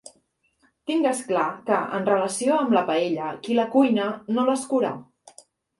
Tingues clar que, en relació amb la paella, qui la cuina no l’escura.